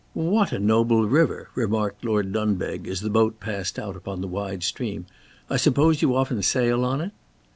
"What a noble river!" remarked Lord Dunbeg, as the boat passed out upon the wide stream; "I suppose you often sail on it?"